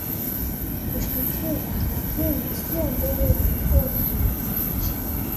kushtukiza lakini sio mbele ya maelfu ya wananchi